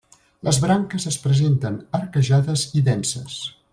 Les branques es presenten arquejades i denses.